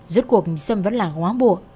rốt cuộc xâm vẫn là ngoáng bộ